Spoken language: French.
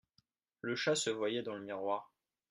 Le chat se voyait dans le miroir.